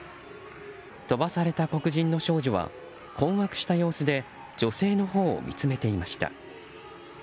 飛ばされた黒人の少女は困惑した様子で女性のほうを見つめていました。